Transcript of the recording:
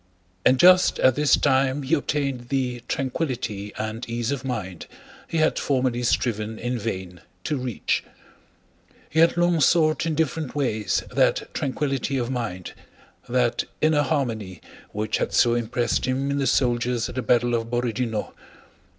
And just at this time he obtained the tranquillity and ease of mind he had formerly striven in vain to reach. He had long sought in different ways that tranquillity of mind, that inner harmony which had so impressed him in the soldiers at the battle of Borodinó.